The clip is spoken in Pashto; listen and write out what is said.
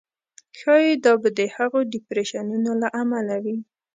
ښایي دا به د هغو ډېپریشنونو له امله وي.